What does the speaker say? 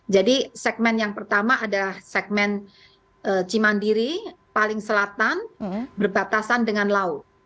jadi segmen yang pertama adalah segmen cimandiri paling selatan berbatasan dengan laut